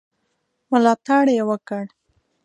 ملاتړ یې وکړ.